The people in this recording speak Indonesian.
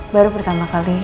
baru pertama kali